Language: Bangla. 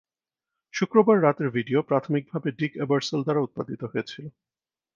শুক্রবার রাতের ভিডিও প্রাথমিকভাবে ডিক এবারসোল দ্বারা উত্পাদিত হয়েছিল।